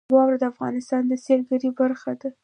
واوره د افغانستان د سیلګرۍ برخه ده.